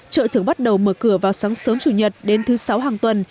chợ thường bắt đầu mở cửa vào sáng sớm chủ nhật đến thứ sáu hàng tuần